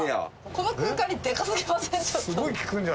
この空間にでかすぎません？